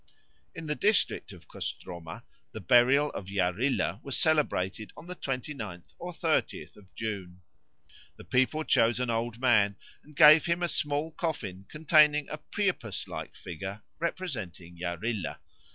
In the district of Kostroma the burial of Yarilo was celebrated on the twenty ninth or thirtieth of June. The people chose an old man and gave him a small coffin containing a Priapus like figure representing Yarilo.